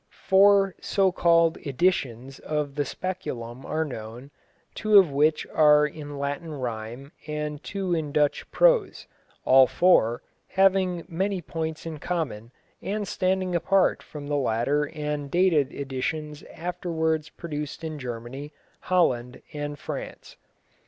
Four so called "editions" of the Speculum are known, two of which are in Latin rhyme, and two in Dutch prose, all four having many points in common and standing apart from the later and dated editions afterwards produced in Germany, Holland, and France.